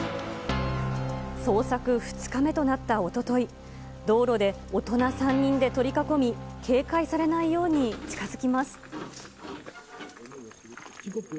捜索２日目となったおととい、道路で大人３人で取り囲み、警戒されないように近づきます。